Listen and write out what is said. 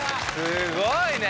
すごいね！